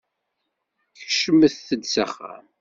Kecmet-d s axxam.